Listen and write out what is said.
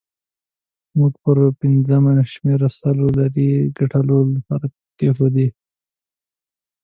موږ پر پنځمه شمېره سلو لیرې د ګټلو لپاره کېښودې.